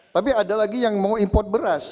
tapi ada lagi yang mau import beras